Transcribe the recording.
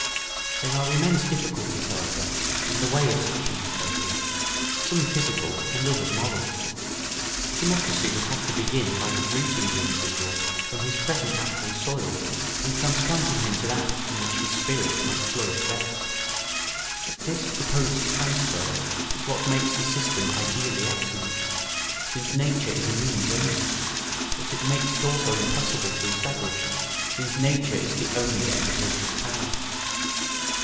] There are immense difficulties, however, in the way of such a Utopia, some physical and others moral. Timocracy would have to begin by uprooting the individual from his present natural soil and transplanting him to that in which his spirit might flourish best. This proposed transfer is what makes the system ideally excellent, since nature is a means only; but it makes it also almost impossible to establish, since nature is the only efficacious power.